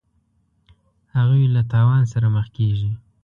هغوی له تاوان سره مخ کیږي.